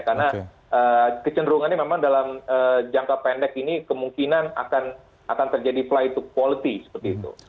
karena kecenderungannya memang dalam jangka pendek ini kemungkinan akan terjadi fly to quality seperti itu